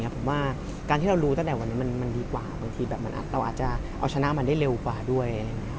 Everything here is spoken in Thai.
ผมว่าการที่เรารู้ตั้งแต่วันนี้มันดีกว่าบางทีเราอาจจะเอาชนะมันได้เร็วกว่าด้วย